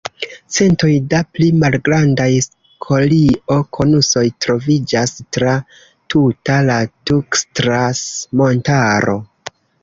Centoj da pli malgrandaj skorio-konusoj troviĝas tra tuta la Tukstlas-Montaro.